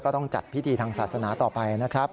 ต้องจัดพิธีทางศาสนาต่อไปนะครับ